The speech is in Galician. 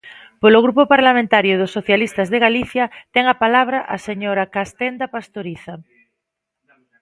Polo Grupo Parlamentario dos Socialistas de Galicia, ten a palabra a señora Castenda Pastoriza.